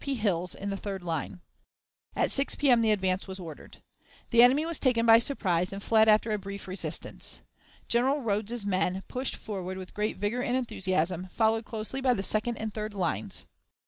P, Hill's in the third line. At 6 P.M. the advance was ordered. The enemy was taken by surprise, and fled after a brief resistance. General Rodes's men pushed forward with great vigor and enthusiasm, followed closely by the second and third lines.